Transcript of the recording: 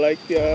lu gak like ya